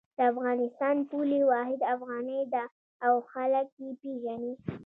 د افغانستان پولي واحد افغانۍ ده او خلک یی پیژني